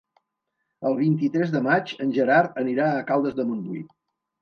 El vint-i-tres de maig en Gerard anirà a Caldes de Montbui.